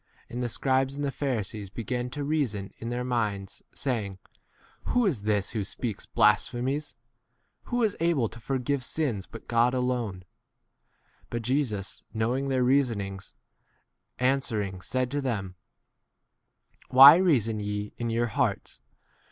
21 And the scribes and the Pharisees began to reason [in their minds], saying, Who is this who speaks blasphemies ? Who is able to for 22 giv e a i ns b n t God alone ? But Jesus, knowing their reasonings, answering said to them, Why 23 reason ye in your hearts